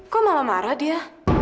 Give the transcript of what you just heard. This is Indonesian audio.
kok mama marah dia